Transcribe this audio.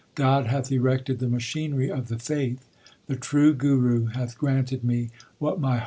God hath erected the machinery of the faith. The True Guru hath granted me what my heart desired.